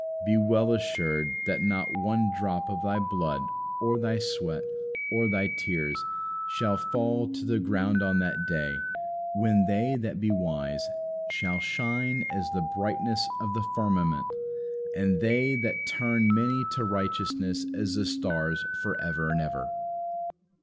Be well assured that not one drop of thy blood or thy sweat or thy tears shall fall to the ground on that day when they that be wise shall shine as the brightness of the firmament, and they that turn many to righteousness as the stars for ever and ever.